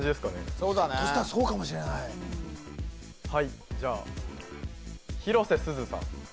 そうだねひょっとしたらそうかもしれないはいじゃあ広瀬すずさん